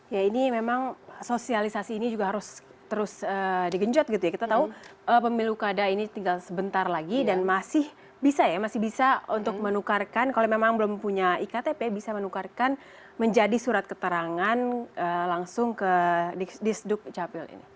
ya ini memang sosialisasi ini juga harus terus digenjot gitu ya kita tahu pemilu kada ini tinggal sebentar lagi dan masih bisa ya masih bisa untuk menukarkan kalau memang belum punya iktp bisa menukarkan menjadi surat keterangan langsung ke di sdukcapil ini